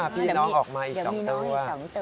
พี่น้องออกมาอีก๒ตัว